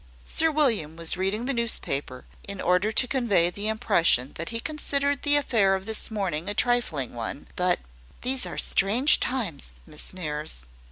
Sir William was reading the newspaper, in order to convey the impression that he considered the affair of this morning a trifling one; but "These are strange times, Miss Nares."